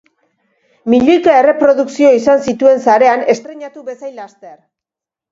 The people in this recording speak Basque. Milioika erreprodukzio izan zituen sarean estreinatu bezain laster.